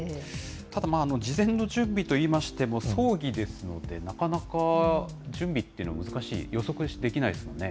ただ、事前の準備といいましても、葬儀ですので、なかなか準備っていうのも難しい、予測できないですもんね。